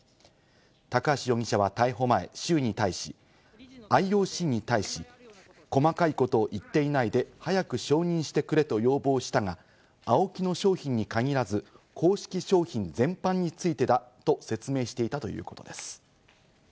高橋容疑者は逮捕前、周囲に対し、ＩＯＣに対し、細かいことを言っていないで早く承認してくれと要望したが、ＡＯＫＩの商品に限らず公式商品全般についてだと説明していたということです。